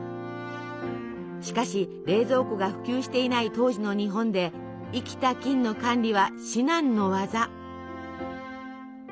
しかし冷蔵庫が普及していない当時の日本で生きた菌の管理は至難の業。